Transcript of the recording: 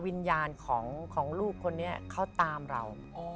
วิญญาณของลูกคนนี้เขาตามเรา